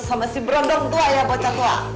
sama si berondong tua ya boca tua